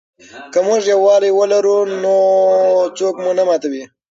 که موږ یووالي ولرو نو څوک مو نه ماتوي.